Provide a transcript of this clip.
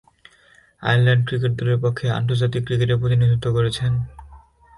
Ireland cricket দলের পক্ষে আন্তর্জাতিক ক্রিকেটে প্রতিনিধিত্ব করছেন।